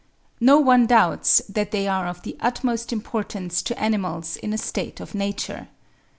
No one doubts that they are of the utmost importance to animals in a state of nature.